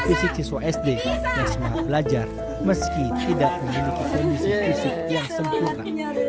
fisik siswa sd dan semangat belajar meski tidak memiliki kondisi fisik yang sempurna